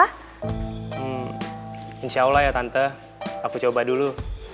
hmm insya allah ya tante aku coba dulu